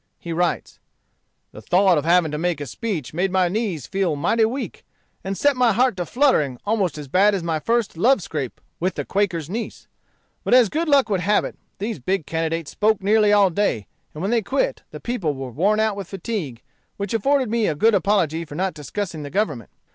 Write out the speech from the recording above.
He writes: "The thought of having to make a speech made my knees feel mighty weak, and set my heart to fluttering almost as bad as my first love scrape with the Quaker's niece. But as good luck would have it, these big candidates spoke nearly all day, and when they quit the people were worn out with fatigue, which afforded me a good apology for not discussing the Government.